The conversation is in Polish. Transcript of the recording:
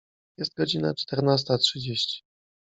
Jest godzina czternasta trzydzieści.